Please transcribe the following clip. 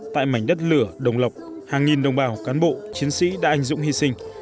tại mảnh đất lửa đồng lộc hàng nghìn đồng bào cán bộ chiến sĩ đã anh dũng hy sinh